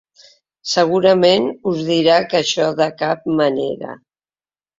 Segurament us dirà que això de cap manera.